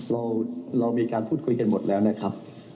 เรามีการพูดคุยกันหมดแล้วนะครับ